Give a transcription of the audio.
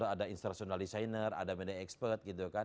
ada international designer ada media expert gitu kan